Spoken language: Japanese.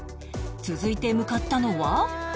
続いて向かったのは